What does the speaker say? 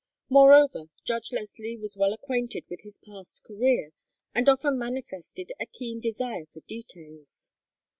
Moreover, Judge Leslie was well acquainted with his past career and often manifested a keen desire for details.